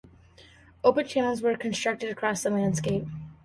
Open channels were constructed across the landscape.